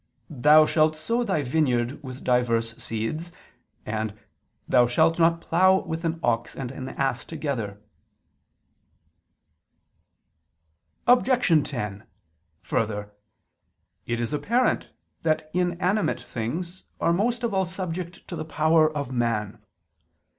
"Thou shalt sow thy vineyard with divers seeds"; and: "Thou shalt not plough with an ox and an ass together." Objection 10: Further, it is apparent that inanimate things are most of all subject to the power of man.